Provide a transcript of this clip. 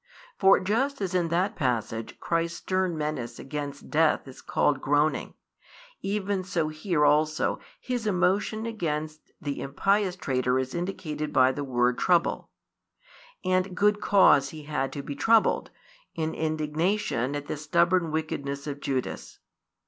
For just as in that passage Christ's stern menace against death is called "groaning," even so here also His emotion against the impious traitor is indicated by the word "trouble." And good cause He had to be troubled, in indignation at the stubborn wickedness of Judas.